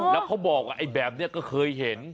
แล้วเขาบอกว่าไอ้แบบนี้ก็เคยเห็น